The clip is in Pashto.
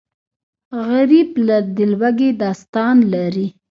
غریب د لوږې داستان لري